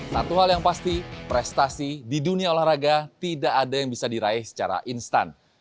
satu hal yang pasti prestasi di dunia olahraga tidak ada yang bisa diraih secara instan